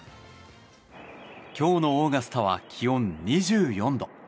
今日のオーガスタは気温２４度。